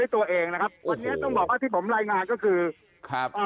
ตัวเองนะครับวันนี้ต้องบอกที่ผมไร้งานก็คือ